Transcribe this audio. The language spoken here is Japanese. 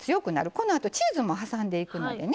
このあとチーズも挟んでいくのでね。